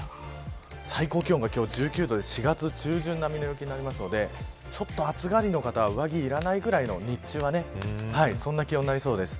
最高気温が今日１９度で４月中旬並みの陽気になるので暑がりの方は上着がいらないぐらいの日中はそんな気温になりそうです。